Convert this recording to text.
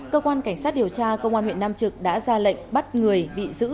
cơ quan cảnh sát điều tra công an huyện nam trực đã ra lệnh bắt người bị giữ